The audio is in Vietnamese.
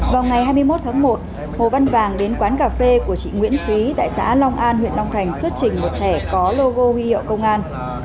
vào ngày hai mươi một tháng một hồ văn vàng đến quán cà phê của chị nguyễn thúy tại xã long an huyện long thành xuất trình một thẻ có logo huy hiệu công an